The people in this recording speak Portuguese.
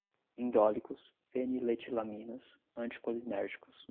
indólicos, feniletilaminas, anticolinérgicos